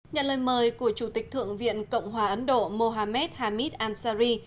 nhận lời mời của chủ tịch thượng viện cộng hòa ấn độ mohamed hamid ansari